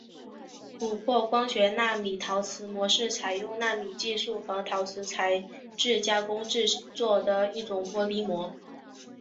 琥珀光学纳米陶瓷膜是采用纳米技术和陶瓷材质加工制作的一种玻璃膜。